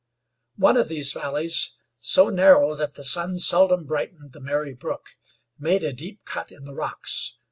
One of these valleys, so narrow that the sun seldom brightened the merry brook, made a deep cut in the rocks.